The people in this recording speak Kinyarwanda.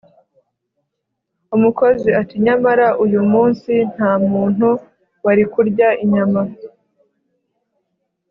umukozi, ati "nyamara uyu munsi nta muntu wari kurya inyama